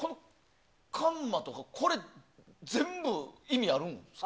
カンマとかこれ全部意味あるんですか？